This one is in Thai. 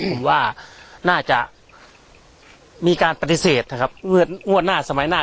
ผมว่าน่าจะมีการปฏิเสธนะครับงวดหน้าสมัยหน้า